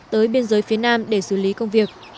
tới biên giới phía nam để xử lý công việc